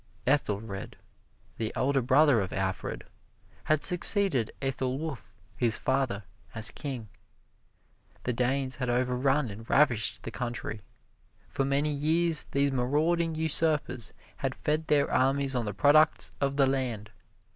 Ethelred, the elder brother of Alfred, had succeeded Ethelwulf, his father, as King. The Danes had overrun and ravished the country. For many years these marauding usurpers had fed their armies on the products of the land.